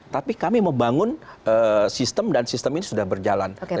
tapi kami membangun sistem dan sistem ini sudah berjalan